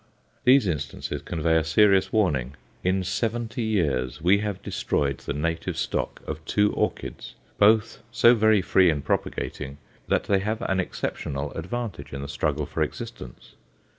These instances convey a serious warning. In seventy years we have destroyed the native stock of two orchids, both so very free in propagating that they have an exceptional advantage in the struggle for existence.